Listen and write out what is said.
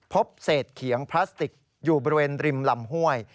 พบเศษเขียงพลาสติกอยู่บริเวณริมลำห้วย